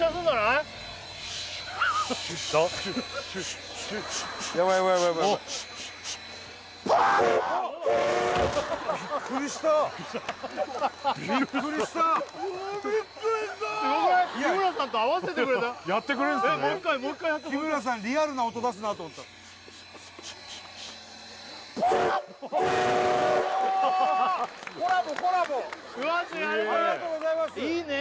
素晴らしいありがとうございますいいね